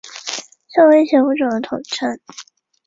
受威胁物种的统称。